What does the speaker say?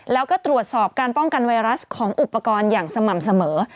แล้วก็ตรวจสอบการป้องกันไวรัสของอุปกรณ์อย่างสม่ำเสมอ